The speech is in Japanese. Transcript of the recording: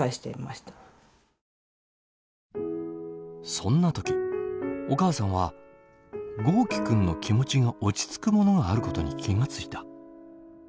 そんな時お母さんは豪輝君の気持ちが落ち着くものがあることに気が付いた。